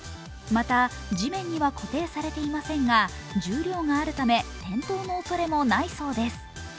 また、地面には固定されていませんが、重量があるため、転倒のおそれもないそうです。